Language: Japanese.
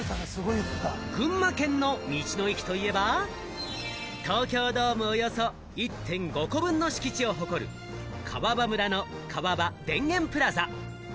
群馬県の道の駅といえば、東京ドームおよそ１．５個分の敷地を誇る、川場村の川場田園プラザ。